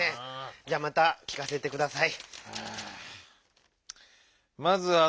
じゃまたきかせてください。